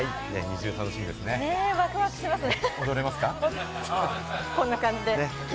ワクワクしますね。